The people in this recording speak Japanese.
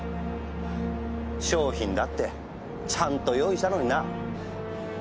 商品だってちゃんと用意したのにな。